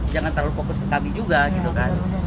jangan terlalu fokus ke kami juga gitu kan